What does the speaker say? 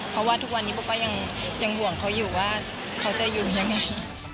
เพราะว่าทุกวันนี้เขาก็ยังห่วงเขาอยู่ว่าเขาจะอยู่ยังไง